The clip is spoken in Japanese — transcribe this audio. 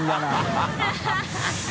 ハハハ